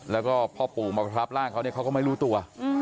แล้วก็พ่อปู่มาทับร่างเขาเนี่ยเขาก็ไม่รู้ตัว